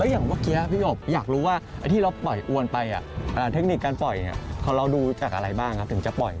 อย่างเมื่อกี้พี่อบอยากรู้ว่าไอ้ที่เราปล่อยอวนไปเทคนิคการปล่อยของเราดูจากอะไรบ้างครับถึงจะปล่อย